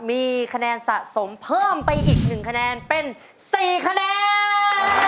มีคะแนนสะสมเพิ่มไปอีก๑คะแนนเป็น๔คะแนน